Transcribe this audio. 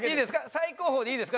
最高峰でいいですか？